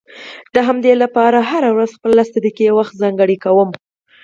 د همدې لپاره هره ورځ خپل لس دقيقې وخت ځانګړی کوم.